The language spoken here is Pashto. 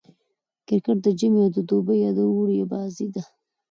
کرکټ د ژمي او دوبي يا اوړي بازي ده.